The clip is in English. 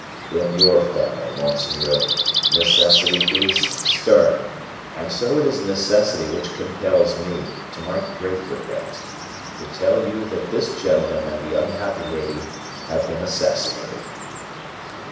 "In your family, monseigneur, necessity is stern. And so it is necessity which compels me, to my great regret, to tell you that this gentleman and the unhappy lady have been assassinated."